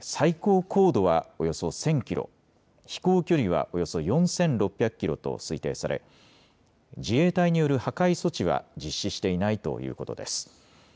最高高度はおよそ１０００キロ、飛行距離はおよそ４６００キロと推定され自衛隊による破壊措置は実施していないということです。